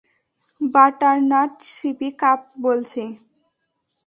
Butternut CP cup বলছি।